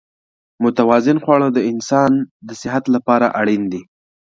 متوازن خواړه د انسان د صحت لپاره اړین دي.